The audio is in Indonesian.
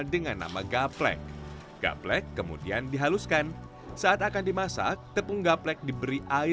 dengan selai khusus buatan sendiri